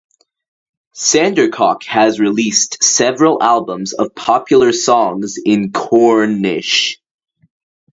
Sandercock has released several albums of popular songs in Cornish.